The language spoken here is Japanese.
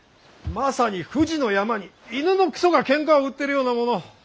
まさに富士山に犬のクソがケンカを売ってるようなもの。